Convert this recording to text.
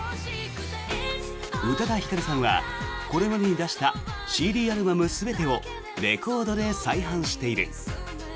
宇多田ヒカルさんはこれまでに出したＣＤアルバム全てをレコードで再販している。